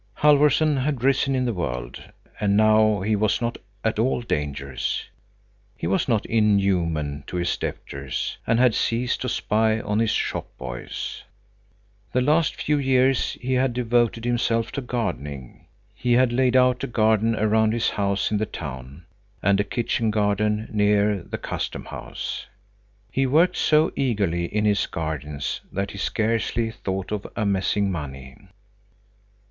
Halfvorson had risen in the world, and now he was not at all dangerous. He was not inhuman to his debtors, and had ceased to spy on his shop boys. The last few years he had devoted himself to gardening. He had laid out a garden around his house in the town, and a kitchen garden near the customhouse. He worked so eagerly in his gardens that he scarcely thought of amassing money.